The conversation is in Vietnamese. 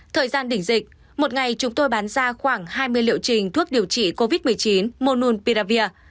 thời gian đỉnh dịch một ngày chúng tôi bán ra khoảng hai mươi liệu trình thuốc điều trị covid một mươi chín monun piravir